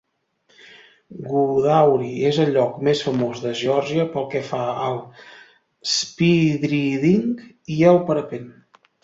Gudauri és el lloc més famós de Geòrgia pel que fa al speedriding i el parapent.